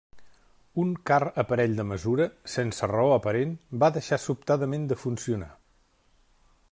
Un car aparell de mesura, sense raó aparent, va deixar sobtadament de funcionar.